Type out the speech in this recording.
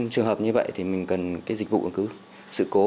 trường hợp như vậy thì mình cần dịch vụ ứng cứu sự cố